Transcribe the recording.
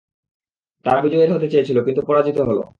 তারা বিজয়ী হতে চেয়েছিল, কিন্তু পরাজিত হল।